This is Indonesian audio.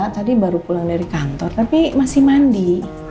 tadi baru pulang dari kantor tapi masih mandi